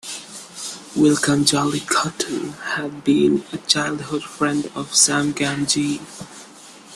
Wilcome 'Jolly' Cotton had been a childhood friend of Sam Gamgee.